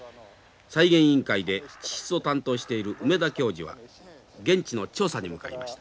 再現委員会で地質を担当している梅田教授は現地の調査に向かいました。